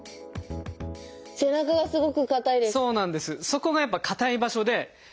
そこがやっぱ硬い場所で。